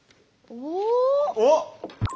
おっ！